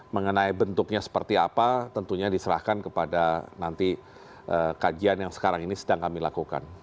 mengenai bentuknya seperti apa tentunya diserahkan kepada nanti kajian yang sekarang ini sedang kami lakukan